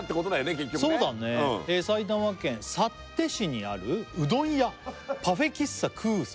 結局ね「埼玉県幸手市にあるうどん屋パフェ喫茶くぅぅさん」